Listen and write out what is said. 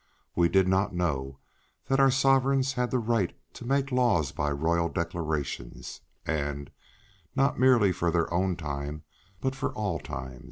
We did not know that our Sovereigns had a right to make laws by Royal declarations, [and] not merely for their own time, but for all time.